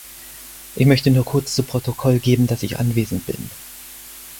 Ich möchte nur kurz zu Protokoll geben, dass ich anwesend bin.